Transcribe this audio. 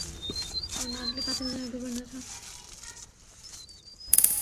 اورنعرے لگاتے ہوئے آگے بڑھنا تھا۔